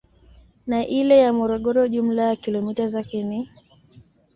Na ile ya Morogoro jumla ya kilomita zake ni